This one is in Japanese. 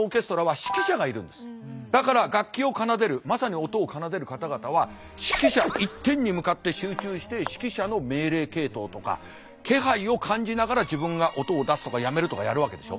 だから楽器を奏でるまさに音を奏でる方々は指揮者一点に向かって集中して指揮者の命令系統とか気配を感じながら自分が音を出すとかやめるとかやるわけでしょ。